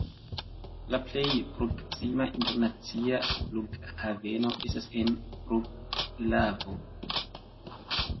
La plej proksima internacia flughaveno estas en Vroclavo.